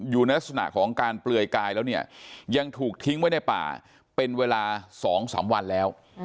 อยู่ในลักษณะของการเปลือยกายแล้วเนี่ยยังถูกทิ้งไว้ในป่าเป็นเวลา๒๓วันแล้ว